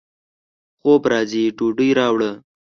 خوب راځي ، ډوډۍ راوړه